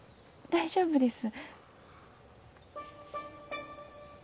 大丈夫です。